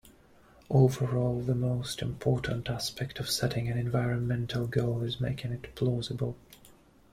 Overall, the most important aspect of setting an environmental goal is making it plausible.